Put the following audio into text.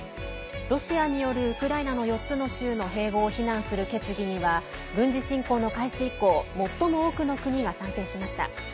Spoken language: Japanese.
ロシアによるウクライナの４つの州の併合を非難する決議には、軍事侵攻の開始以降最も多くの国が賛成しました。